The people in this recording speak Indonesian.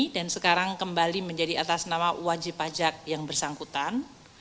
dan sekarang kembali menjadi atas nama wajib pajak yang bersangkutan